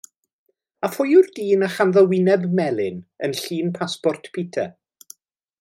A phwy yw'r dyn a chanddo wyneb melyn yn llun pasbort Peter?